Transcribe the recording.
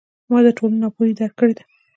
ما د ټولنې ناپوهي درک کړې ده.